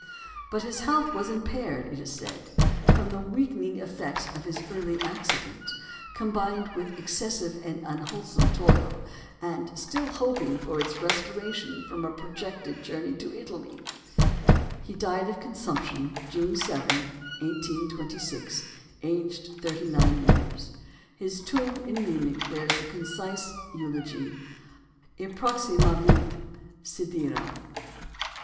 But his health was impaired, it is said, from the weakening effects of his early accident, combined with excessive and unwholesome toil, and, still hoping for its restoration from a projected journey to Italy, he died of consumption, June 7, 1826, aged thirty nine years. His tomb in Munich bears the concise eulogy, Approximavit sidera.